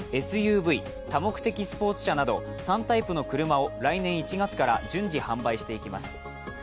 ＳＵＶ＝多目的スポーツ車など３タイプの車を来年１月から順次販売していきます